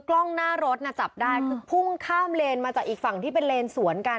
กล้องหน้ารถน่ะจับได้คือพุ่งข้ามเลนมาจากอีกฝั่งที่เป็นเลนสวนกัน